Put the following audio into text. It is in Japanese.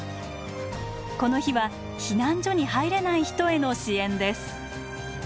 この日は避難所に入れない人への支援です。